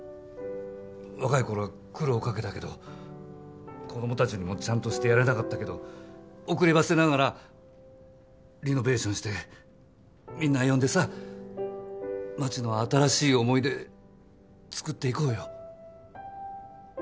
若い頃は苦労かけたけど子供たちにもちゃんとしてやれなかったけど遅ればせながらリノベーションしてみんな呼んでさ万智の新しい思い出作っていこうよ。